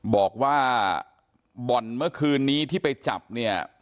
บอกว่าบ่อนเมื่อคืนนี้ที่ไปจับเนี่ย